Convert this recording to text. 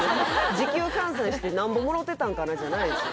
時給換算してなんぼもろうてたんかなじゃないですよ